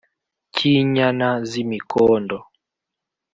cy’inyana z’imikondo